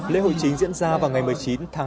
lễ hội chính diễn ra vào ngày một mươi chín tháng bốn